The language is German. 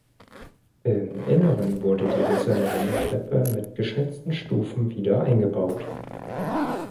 Im Inneren wurde die hölzerne Wendeltreppe mit geschnitzten Stufen wieder eingebaut.